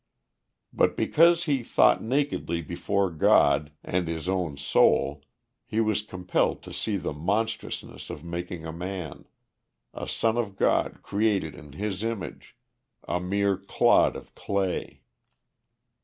But because he thought nakedly before God and his own soul he was compelled to see the monstrousness of making a man a son of God, created in His image a mere clod of clay.